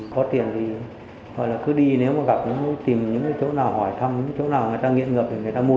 có tiền thì cứ đi nếu mà gặp tìm những chỗ nào hỏi thăm những chỗ nào người ta nghiện ngập thì người ta mua giúp